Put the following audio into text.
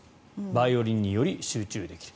バイオリンに、より集中できる。